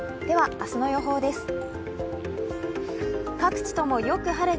では明日の予報です。